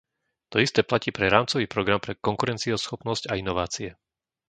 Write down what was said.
To isté platí pre rámcový program pre konkurencieschopnosť a inovácie.